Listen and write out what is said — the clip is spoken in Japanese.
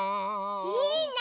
いいね！